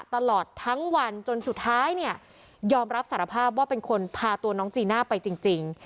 ตลอดทั้งวันจนสุดท้ายเนี่ยยอมรับสารภาพว่าเป็นคนพาตัวน้องจีน่าไปจริง